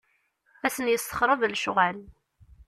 Ad asen-yessexreb lecɣal.